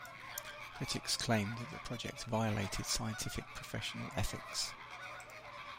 Critics claimed that the project violated scientific professional ethics.